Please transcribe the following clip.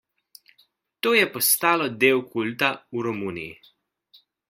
To je postalo del kulta v Romuniji.